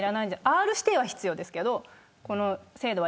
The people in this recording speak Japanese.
Ｒ指定は必要ですけど。